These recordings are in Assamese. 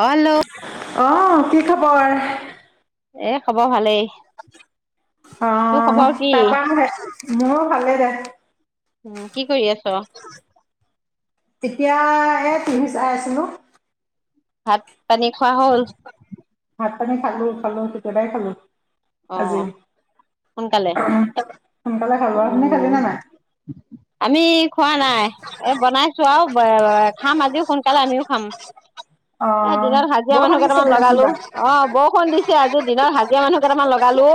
হেল্ল' অ' কি খবৰ? এ খবৰ ভালেই। অ, তোৰ খবৰ কি? তাৰ পৰা হে মোৰো ভালে দে উম, কি কৰি আছ? তেতিয়া এ টিভি চাই আছিলোঁ। ভাত পানী খোৱা হ'ল। ভাত খালো খালো কেতিয়াবাই খালোঁ। অ আজি সোনকালে। সোনকালে খালো আৰু তুমি খালা উম নে নাই। আমি খোৱা নাই এ বনাইছো আৰু খাম আজিও সোনকালে আমিও খাম অ এ দিনত হাজিৰা বৰ মানুহ কান্দিছে কেইটামান বোলে চোন লগালো তাই অ' বৰষুণ দিছে আজি দিনৰত হাজিৰা মানুহ। কেইটামান লগালো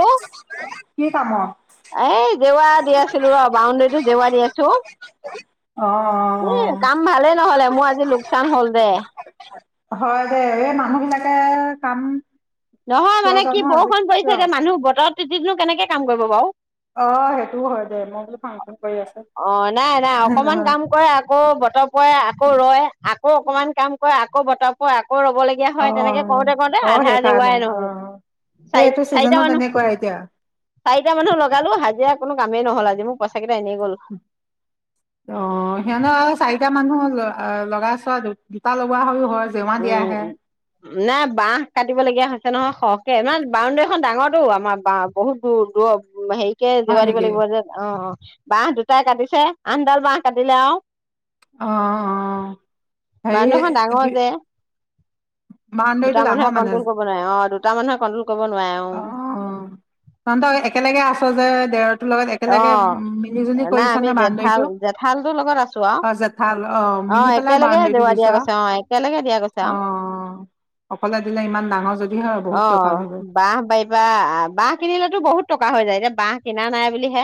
কি কামত এই জেৱা। দি আছিলো ৰ' বাউণ্ডাৰীতো জেৱা দি আছো। অ অ এ কাম ভালেই নহ'লে মোৰ আজি লোকচান হ'ল দে। হয় দে এই মানুহ বিলাকে কাম। নহয় কিয় মানে কি জানো আজি বৰষুণ পৰি কিয় থাকে মানুহ বতৰত। তিতি নো কেনেকে কাম কৰিব বাৰু। অ সেইটোও হয় দে মই বোলো ফাংচন কৰি আছে অ' নাই -নাই অকমান নহয় কাম কৰে আকৌ বতৰ পৰে আকৌ ৰয়। আকৌ অকমান কাম কৰে আকৌ বতৰ পৰে আকৌ, আকৌ ৰ'ব লগীয়া অ হয় তেনেকে কৰোতে কৰোতে অ আধাৰ। সেইকাৰণে জেওৱাই অ নহ'ল এই চাৰি এইটো চাৰিটা চিজনত মানুহ তেনেকুৱা এতিয়া চাৰিটা মানুহ লগালো হাজিৰা কোনো। কামেই নহ'ল আজি মোক পইচা কেইটা। এনেই গ'ল অ সিহঁত আৰু চাই টা মানুহৰ লগাই চোৱা দুটা লগোৱা হৈও হয়। জেওৰা দিয়া উম আহে নাই বাহ কাটিব লগীয়া হৈছে নহয়। সৰহকে মানে বাৰউণ্ডেৰীখন ডাঙৰটো আমাৰ বা বহুত দূৰ দূৰ হেৰি তে হয় জেৱাৰ দিব নেকি লাগিব যে অ অ। বাহ দুটাই কাটিছে আঠডাল বাহ কাটিলে আও। অঁ অহ অঁ হেৰি বাউণ্ডেৰীখন ডাঙৰ কি যে দুটা বাউণ্ডৰীটো মানুহে ডাঙৰ মানে? কণ্ট্ৰল কৰিব নোৱাৰে অ দুটা মানুহে কণ্ট্ৰল কৰিব নোৱাৰে অ তহত একেলগে আছ যে। তেৰ অ নাই আমি নে জেঠাল বাউণ্ডেৰীটো জেঠালটোৰ লগত আছো আও, অ' জেঠাল অ মিলি পেলাই একেলগে বাউণ্ডেৰীটো জেৰুৱা দিছ দিয়া গৈছে অ একেলগে দিয়া গৈছে আও। অ' অকলে দিলে ইমান ডাঙৰ যদি হয় অ বহুত টকা যাব বাঁহ বাৰী পৰা বাঁহ কিনিলেতো বহুত টকা হৈ যায়। এতিয়া বাঁহ কিনা নাই বুলি হে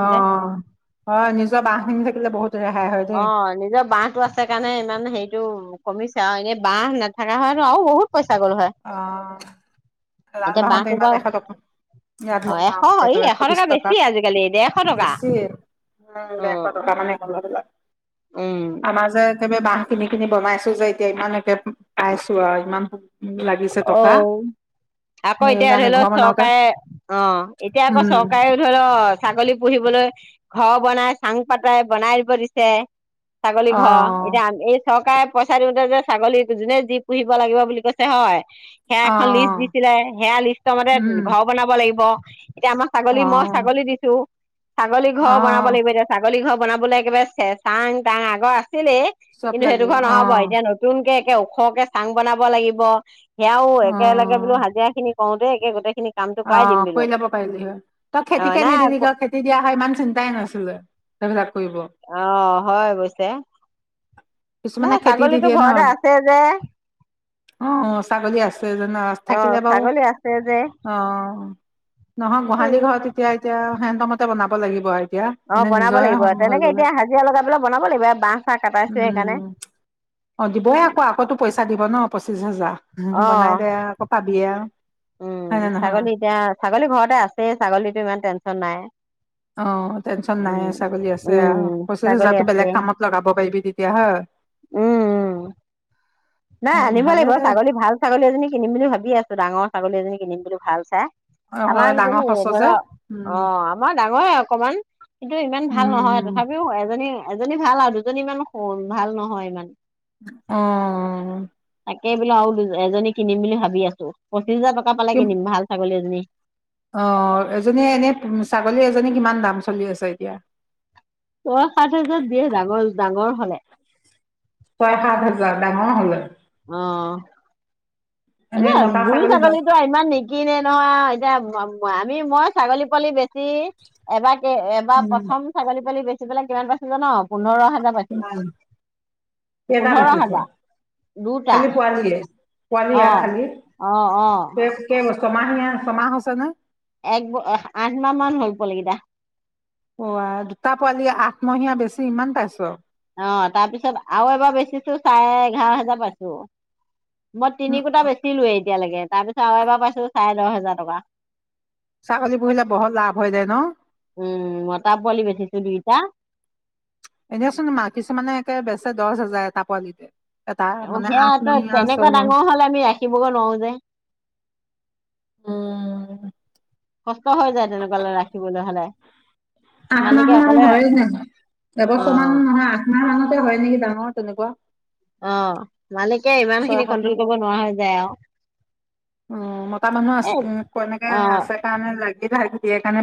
অ হয় নিজৰ বাঁহ খিনি থাকিলে বহুত ৰেহা অ নিজৰ বাঁহটো আছে কাৰণে ইমান হেৰিটো কমিছে আও এনে বাহ নাথাকা হয়তো আৰু বহুত পইচা গ'ল হয় অহ এডাল এতিয়া বাঁহতে বাঁহটো ইমান বাৰু এশ টকা ইয়াত অ মইনা এশ এই হতে এশ বিশ টকা বেছি আজিকালি ডেৰশ টকা বেছি অ দেৰশ টকা মানে হ'ল [unintelligible] উম আমাৰ যে চবেই বাহ কিনি কিনি বনাইছো যে এতিয়া ইমান একে পাইছো আৰু ইমান লাগিছে অ টকা আকৌ এতিয়া সেইকাৰণে ধৰিলক ঘৰ বনাওতে চৰকাৰে অ এতিয়া আকৌ উম চৰকাৰেও ধৰিলও ছাগলী পুহিবলৈ ঘৰ বনাই চাং পাতাই বনাই দিব দিছে ছাগলী অ ঘৰ, এতিয়া [unintelligible] এই চৰকাৰে পইচা দিওঁতে যে, ছাগলী জোনে যি পুহিব লাগিব বুলি কৈছে হয়। সেয়া অ এখন লিষ্ট দিছিলে, সেয়া লিষ্ট মতে উম ঘৰ বনাব লাগিব। এতিয়া আমাক ছাগলী, অ মই ছাগলী দিছোঁ। ছাগলী অ ঘৰ বনাব লাগিব এতিয়া ছাগলী ঘৰ বনাবলৈ একেবাৰে চে চাং-তাং আগৰ [unintelligible] ছিলেই চব কিন্তু সেইটো লাগিব ঘৰ অ নহ'ব, এতিয়া নতুনকে একে ওখকে চাং বনাব লাগিব। সেয়াও অ একেলগে বোলো হাজিৰা খিনি কওঁতেই একে গোটেইখিনি অ' কৰি ল'ব পাৰিলি হয়। তই অ খেতিকে নাই নিদিলি কিয়? খেতি দিয়া হয় ইমান চিন্তাই নাছিলে সেইবিলাক। কৰিব অহ! হয় অৱশ্যে। কিছুমানে নাই খেতি দি ছাগলীতো দিয়ে ন'? ঘৰতে আছে যে অ' ছাগলী আছে জা [unintelligible] অ নাথাকিলে বাৰু, ছাগলী আছে যে অ'। অ'। নহয়, গোহালি ঘৰতোতে এতিয়া সেহেন্ত মতে বনাব লাগিব আ অ' বনাব লাগিব। তেনেকে এতিয়া হাজিৰা লগাই পেলাই বনাব লাগিব, এয়া বাঁহ চাহ কাটাইছোঁ সেইকাৰণে। উম অ' দিবই আকৌ, আকৌ টো পইচা দিব ন'। পঁচিশ [unintelligible] অ ঘৰটো বনাই দে, আকৌ পাবিয়ে আওঁ। উম, ছাগলী এতিয়া! ছাগলী ঘৰতে আছেই। ছাগলীতো ইমান টেনচন নাই। অহ টেনচন নাই উম ছাগলী আছে উম আওঁ, পঁচিশ ছাগলী হাজাৰতো আছে বেলেগ কামত লগাব পাৰিবি তেতিয়া হয়? উম উম নাই হয় আনিবই ভালে লাগিব! দে ছাগলী ভাল ছাগলী এজনী কিনিম বুলি ভাবিয়ে আছোঁ, ডাঙৰ ছাগলী। এজনী কিনিম বোলো, ভাল চাই। অ আমাৰ ডাঙৰ কিজনী সঁচ ধৰ যে উম অ' আমাৰ ডাঙৰে অকমান, কিন্তু ইমান ভাল উম নহয় তথাপিও এজনী এজনী ভাল আৰু দুজনী ইমান ভাল নহয় ইমান। অ'। তাকেই বোলো আৰু দু [unintelligible] এজনী কিনিম বুলি ভাবি আছোঁ। পঁচিশ হাজাৰ টকা পালে কি কিনিম ভাল ছাগলী এজনী। অ' এজনীয়ে এনে ছাগলী এজনী কিমান দাম চলি আছে এতিয়া? ছয় সাত হাজাৰ দিয়ে! ডাঙৰ-ডাঙৰ হ'লে। ছয় সাত হাজাৰ ডাঙৰ হ'লে। অ'। এতি এনেই মতা বুঢ়ি ছাগলী দহ ছাগলীতো ইমান নিকিনে ন এতিয়া মই আমি মই ছাগলী পোৱালি বেছি এবাক এ এবাৰ উম, প্ৰথম ছাগলী পোৱালি বেছি বেচি পেলাই কিমান পাইছোঁ জান? পোন্ধৰ হা নাই [unintelligible] কেইটা পোন্ধৰ বেচিছ? হাজাৰ দুটা খালি পোৱালিয়ে? পোৱালি অ', অ', অ'। ছমাহিয়া, ছমাহ হৈছেনে? এক-আঠ মাহ মান হ'ল পোৱালি কিটা। অ', ৱাই দুটা পোৱালি আঠমীয়া বেছি ইমান পাইছ। অ', তাৰপিছত আৰু এবাৰ বেচিছো চাৰে এঘাৰ হাজাৰ পাইছোঁ। মই উম, তিনি কুটা বেছিলোৱে এতিয়া লৈকে, তাৰপিছত আৰু এবাৰ পাইছোঁ চাৰে দহ হা হাজাৰ টকা ছাগলী পুহিলে বহুত লাভ হৈ যায় ন? উম, মতা পোৱালি বেচিছো দুইটা। এনেচোন মা কিছুমানে একে বেচে দচ হাজাৰ এটা পোৱালিতে। এটা মানে সেয়া ত' আঠমহীয়া, তেনেকুৱা ছয়মাহ ডাঙৰ হ'লে আমি ৰাখিব গৈ নোৱাৰোঁ যে। উম, কষ্ট হৈ যায় তেনেকুৱালৈ ৰাখিবলৈ হ'লে। আঠ মাহ মালিকে মান অকলে হয়, জানো? অ এবছৰমান নহয় আঠ মাহ মানতে হয়, নেকি ডাঙৰ? তেনেকুৱা অ'। মালিকে ইমান ছয়, খিনি সাত কন্ট্ৰল মাহ কৰিব নোৱাৰা হৈ যায় আৰু উম, মতা মানুহ এ আছে সেনেকে অ আছে কাৰণে লাগি [unintelligible] সেইকাৰণে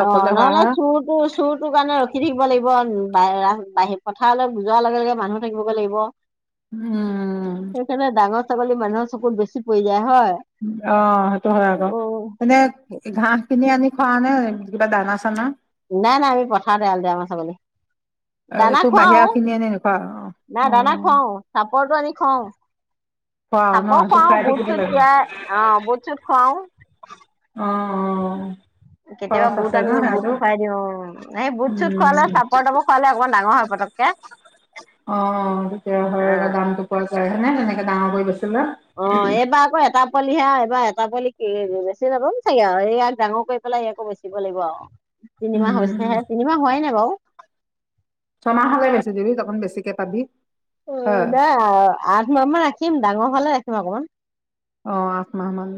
অ', নহলে, চোৰটো, চোৰটো কাৰণে ৰখি থাকিব লাগিব। বাহ, বাহি পথাৰলৈ, বু যোৱাৰ লগে, লগে মানুহ থাকিব লাগিব। উম সেইকাৰণে ডাঙৰ ডাঙৰ, ছাগলী মানুহৰ চকুট বেছি পৰি যায়। হয়। অ', সেইটো হয় আকৌ, অ মানে ঘাঁহ খিনি আনি খোৱা নে, কিবা দানা, চানা? নাই, নাই, আমি পথাৰতে ৰেল দেও, আমাৰ ছাগলী, অ' দানা একো বাহিৰা খোৱাও, কিনি আনি নোখোৱা অ নাই, দানা অ' খোৱাও, চাপৰটো আনি খোৱাও। খোৱা ন চাপাৰ সেইটো খোৱাও, খাই বুট, থাকিব চুত লাগে তিয়াই, অ', বুট, চুট খোৱাও। অ অ কেতিয়াবা খৰচ বুট আছে ন আনি বুট সেয়াতো খুৱাই দিও। সেই বুট, চুট খুৱালে, উম চাপৰ, তাপৰ খোৱালে, অকমান ডাঙৰ হয় পতককে। অ তেতিয়া হয় আকৌ অ'। [unintelligible] ডাঙৰ কৰি গৈছো অ', এইবাৰ আকৌ এটা পোৱালি হে, এইবাৰ এটা পোৱালি বেচি নাপাম, চাগে আও এয়াক ডাঙৰ কৰি পেলাই, ইয়াকো বেছিব লাগিব আও তিনিমাহ উম হৈছেহে, তিনিমাহ হোৱাই নাই বাও ছমাহ হ'লে বেছি দিবি, তকোন বেছিকে পাবি। অ, হয় নাই, আঠমাহ মান ৰাখিম ডাঙৰ। হোৱালে ৰাখিম অকণমান। অ আঠ মাহ মান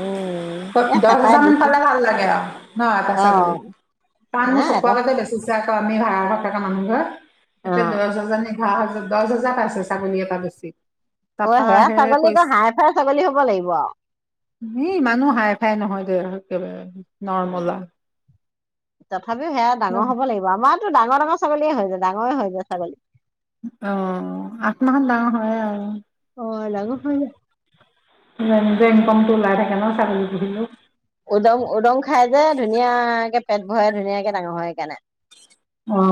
উম এ দহ হাজাৰ চেপাই মান দিছো পালে ভাল লাগে আৰু ন এটা অ ছাগলী কাৰণ এ মোৰ চকুৱ এটা আগতে বেচিছে আকৌ আমি ভাড়া ঘৰত থকা মানুহ যে। অ এতিয়া দহ হাজাৰ নি [unintelligible] দহ হাজাৰ পায়ছে, ছাগলী এটা বেছি। অ', সেয়া ছাগলী একে হাই ফাই ছা ই, ইমানো হাই, ফাই নহয়। যে, একেবাৰে নৰ্মেল তথাপিও, সেয়া আৰু ডাঙৰ হ'ব লাগিব, আমাৰ এইটো ডাঙৰ, ডাঙৰ ছাগলীয়ে হৈ যায়, ডাঙৰে হৈ যায় ছাগলী। অ', আঠ মাহত ডাঙৰ হয়, আৰু। অ', ডাঙৰ হৈ যায়। [unintelligible] ইনকমটো ওলাই থাকে ন? ছাগলী পুহিলেও। উদং, উদং খাই যে, ধুনীয়াকে পেট ভৰে, ধুনীয়াকে ডাঙৰ হয়, সেইকাৰণে। অ',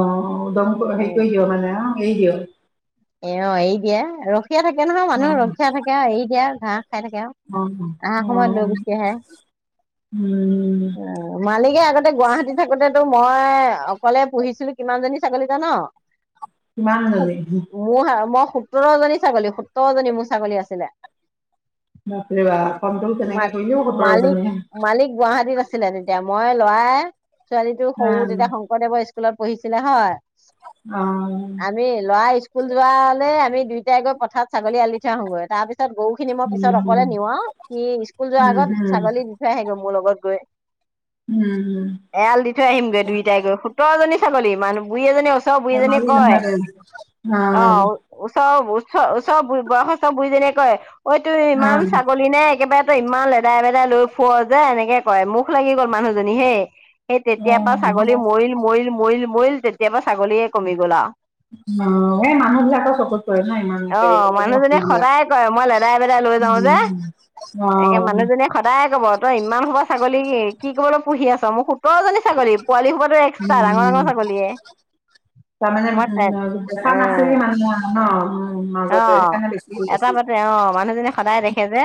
উদং হেই উম কৰি দিয় মানে অ' [unintelligible] দিয়? এ, অ', এৰি দিয়ে আৰু ৰখিয়ে থাকে নহয়, অ মানুহ ৰখিয়া থাকে, আৰু এৰি দিয়ে আৰু, ঘাঁহ খাই থাকে আৰু, অ আহা অ সময়ত লৈ গুচি আহে। উম মালিকে আগতে গুৱাহাটী থাকোতেতো মই অকলে পুহিছিলোঁ কিমান জনী ছাগলী জান? কিমানজনী? মোৰ মই সো সোতৰ জনী ছাগলী সোতৰ জনী মোৰ ছাগলী আছিলে। বাপৰে বাপ কোনট্ৰল মা কেনেকে কৰিছিলি সোতৰজনীয়ে। ছিলে তেতিয়া মই লৰাই ছোৱালীটো অ সৰু তেতিয়া শংকৰদেৱৰ স্কুল স্কুলত পঢ়িছিলে হয় অ' আমি লৰা স্কুল যোৱালে আমি দুইটাই গৈ পথাৰত ছাগলী আলি থৈ আহোঁগৈ তাৰ পিছত পিছত গৰু খিনি মই উম উম পিছত অকলে নিও আও সি স্কুল যোৱাৰ আগত উম ছাগলী দি থাই আহেগৈ মোৰ লগত গৈ উম এৰাল দি থৈ আহিম গৈ দুইটাই গৈ। সোতৰ জনী ছাগলী। মানহ, বুঢ়ি এজনী ধেমালি নহয় দেই অহ, ওচৰ ও, ওচৰৰ বয়সস্থ বুঢ়িজনীয়ে কয় ঐ তোৰ অ ইমান ছাগলী নে একেবাৰে তই, ইমান লেদাই লেদাই লৈ ফুৰ যে এনেকে কয়। মুখ লাগি গল মানুহজনী হেই সেই অ তেতিয়া পৰা ছাগলী মৰিল, মৰিল, মৰিল মৰিল যেতিয়া পৰা ছাগলীয়ে কমি গল আৰু। অ এই মানুহ বিলাকৰ চকুত পৰে ন ইমান অ, মানুহজনীয়ে সদায় কয় মই লেদাই বেদাই লৈ যাও যে। অ একে উম মানুহজনীয়ে সদায়ে কব, তই ইমান হুপা ছাগলী কি কি কৰিবলৈ পুহি আছ। মোৰ সোতৰজনী ছাগলী পোৱালি সোপো টো এক্সট্ৰা ডাঙৰ ডাঙৰ ছাগলীয়ে। তাৰমানে মই উ দেখা নাছিলি অ', মানুহে। অ'। অ' এটা পাতে অ' মানুহজনী সদায় দেখি দেখে যে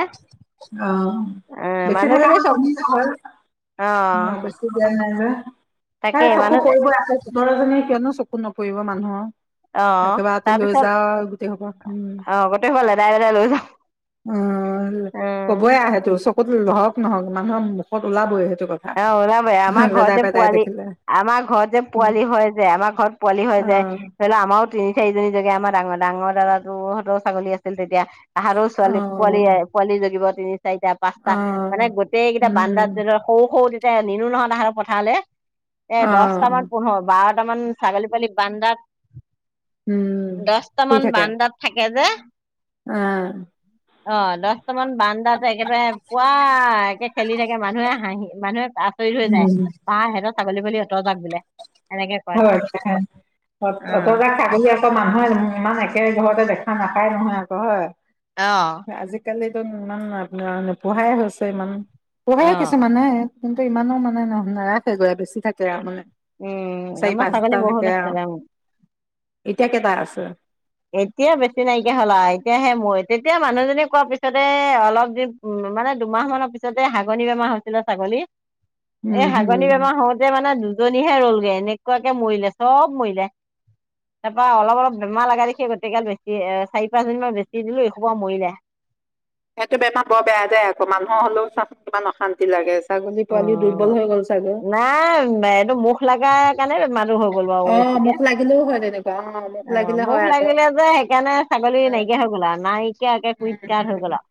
অ' অ', বেছি থকা মানুহজনী চকু অ বেছি দিয়া নাই যে তাকে তাই চকু মানুহ পৰি আছে, ছোৱালীজনী কিয়নো চকুত নপৰিব মানুহৰ? অ' একেবাৰতে লৈ তাৰপিছত, যাও গোটেই সোপা উম আহ গোটেইবিলাক লেদাই বেদাই লৈ যাম উম। সেইটো চকুত হক নহক, মানুহৰ মুখত ওলাবই সেইটো। কথা অ' ওলাব আমাৰ ঘৰ লেদাই যে পেদাই পোৱালি, দেখিলে আমাৰ ঘৰত যে অ পোৱালি হয় যায় আমাৰ ঘৰত পোৱালি হৈ যায়, ধৰি লও আমাৰো তিনি চাৰিজনী জেগাত আমাৰ ডাঙৰ ডাঙৰ দাদাটো হতৰ ছাগলী আছিল তেতিয়া। আহাৰ অ ছোৱালী পোৱালি পোৱালি জোগিব উ চাৰিটা অ পাঁচটা মানে গোটেই কেইটা উম বান্দাৰ জৰ সৌ তেতিয়া নিলো নহয় তাহৰ পথাৰলে এ অ দহটামান, পোন্ধৰ বাৰ কেইটামান ছাগলী পোৱালি বান্ধাত উম দচটামান বান্দাত থাকে যে। উম অ দহটামান বান্দাত একেদাৰে পুৱাএকে খেলি থাকে মানুহে মানুহে আচৰিত হৈ যায় উম বা সিহত ছাগলী পোৱালি অতজাক বোলে। এনেকে কয়। হয় অ অত গাল ছাগলী আকৌ মানুহে ইমান একে ঘৰতে দেখে চাহ নেখাই নহয় আকৌ হয়। অ এ আজিকালি ক'তনো ইমান মানুহে নোপোহাই হৈছে ইমান পুহে কিছুমানে তোৰ ইমানো মানে ন নাৰাখে গৈ বেছি থাকে আৰু মানে উম, চাৰি, আমাৰ ছাগলী পাঁচটা বহুত থাকে আৰু আছিলে উম। এতিয়া কেইটা আছে এতিয়া বেছি নাইকিয়া হ'ল এতিয়াহে মোৰ এতি তেতিয়া মানুহজনী কোৱাৰ পিছতে অলপ দিন উম, মানে দুমাহ মানৰ পিছতে হাগনি বেমাৰ হৈছিলে ছাগলী এই উম হাগনি হম বেমাৰ হওঁতে মানে দু দুজনীহে ৰলগৈ এনেকুৱাকে মৰিলে চ'ব মৰিলে। তাৰপাৰ অলপ অলপ বেমাৰ লগা দেখি গোটেই গাল বেছি এ চাৰি পাঁচ জনিমান বেছি দিলোঁ। ইৰসোপা মৰিলে। সেইটো বেমাৰ বৰ বেয়া দে আকৌ মানুহৰ হ'লেও চাচোন কিমান অশান্তি লাগে। ছাগলী পোৱালি দুৰ্বল অ' হৈ গ'ল চাগৈ নাই এইটো মুখ লাগাক কেনে বেমাৰটো হ'ল। গলোঁ আৰু অ বেছিকে মুখ লাগিলেও হয় তেনেকুৱা মুখ অ' লাগিলে মূখ হয় আকৌ লাগিলে যে সেইকাৰণে ছাগলী উম নাইকিয়া হৈ গ'ল আৰু নাই এতিয়া একে কুইত কাত হৈ উম গ'ল আহ।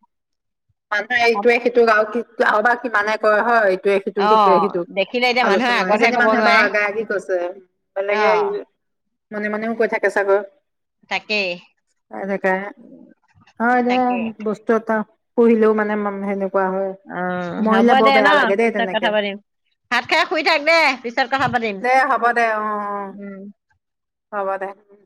মানুহে ইটোৱে-সিটোক আৰু আৰু বা কিমানে কয় হয়। সেইটোৱে সিটো, অ সিটোৱে সিটো। দেখিলে এতিয়া মানুহে আলোচনা, আগতহে সেইজনী কব মানুহে নোৱাৰে বাৰু আগা-আগি কৈছে, অ বেলেগে মনে, মনেও কৈ থাকে চাগৈ? তাকেই এনেকাই হয় দে তাকেই বস্তু এটা পোহিলেও মানে মানুহে এনে অ হ'ব দে ন? দেই পিছত তেনেকে কথা পাতিম, ভাত খায় শুই থাক দে, পিছত কথা পাতিম, দে হ'ব দে অ উম। অ হ'ব দে